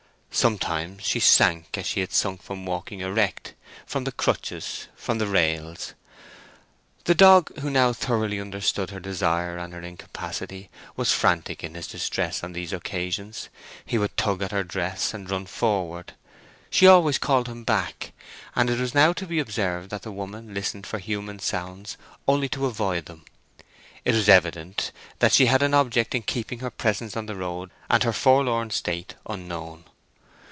Sometimes she sank as she had sunk from walking erect, from the crutches, from the rails. The dog, who now thoroughly understood her desire and her incapacity, was frantic in his distress on these occasions; he would tug at her dress and run forward. She always called him back, and it was now to be observed that the woman listened for human sounds only to avoid them. It was evident that she had an object in keeping her presence on the road and her forlorn state unknown.